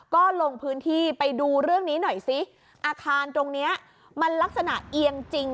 ก็ลงพื้นที่ไปดูเรื่องนี้หน่อยสิอาคารตรงเนี้ยมันลักษณะเอียงจริง